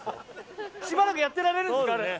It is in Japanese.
しばらくやってられるんですか？